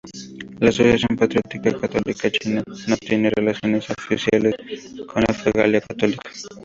La Asociación Patriótica Católica China no tiene relaciones oficiales con la Iglesia católica.